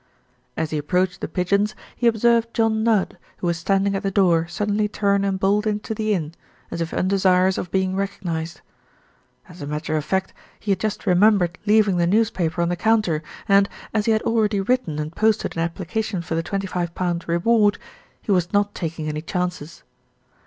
As he approached The Pigeons, he observed John Nudd, who was standing at the door, suddenly turn and bolt into the inn, as if undesirous of being recog nised. As a matter of fact, he had just remembered leaving the newspaper on the counter and, as he had already written and posted an application for the 25 reward, he was not taking any chances.